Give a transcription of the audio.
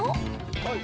はい